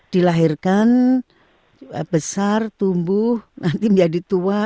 dilahirkan besar tumbuh nanti menjadi tua